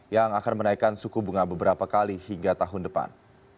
yang akan menaikkan suku bunga beberapa kali hingga tahun depan